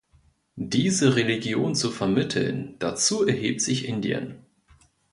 Diese Religion zu vermitteln, dazu erhebt sich Indien.